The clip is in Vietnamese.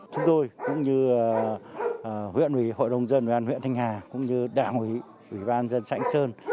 chúng tôi cũng như huyện huy hội đồng dân huyện thanh hà cũng như đảng huy huy ban dân xã thanh sơn